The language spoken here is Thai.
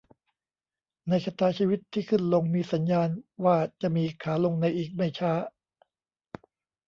ในชะตาชีวิตที่ขึ้นลงมีสัญญาณว่าจะมีขาลงในอีกไม่ช้า